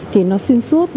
thì nó xuyên suốt